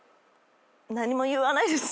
何も言わないです。